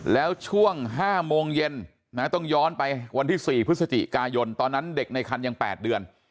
แล้วช่วง๕โมงเย็นต้องย้อนไปวันที่๔พฤศจิกายนตอนนั้นเด็กในคันยัง๘เดือน